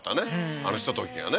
あのひとときがね